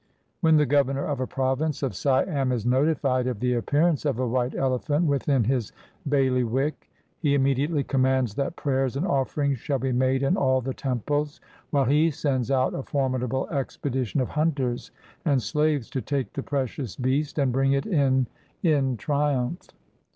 When the governor of a province of Siam is notified of the appearance of a white elephant within his bailiwick, he immediately commands that prayers and offerings shall be made in all the temples, while he sends out a formidable expedition of hunters and slaves to take the precious beast, and bring it in in triumph.